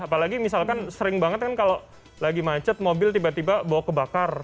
apalagi misalkan sering banget kan kalau lagi macet mobil tiba tiba bawa kebakar